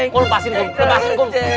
kau lepasin kum lepasin kum